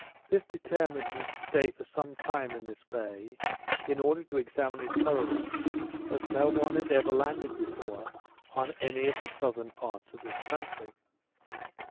This determined me to stay some time in this bay, in order to examine it thoroughly; as no one had ever landed before, on any of the southern parts of this country.